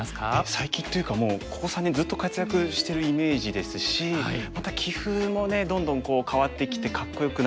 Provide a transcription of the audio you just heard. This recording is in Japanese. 最近というかもうここ３年ずっと活躍してるイメージですしまた棋風もねどんどん変わってきてかっこよくなって。